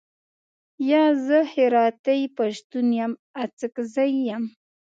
یا، زه هراتۍ پښتون یم، اڅګزی یم.